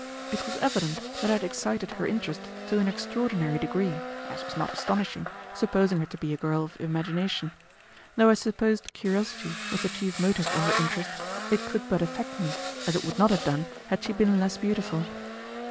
It was evident that I had excited her interest to an extraordinary degree, as was not astonishing, supposing her to be a girl of imagination. Though I supposed curiosity was the chief motive of her interest, it could but affect me as it would not have done had she been less beautiful.